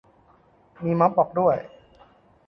มีม็อบบอกด้วย